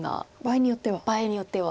場合によっては。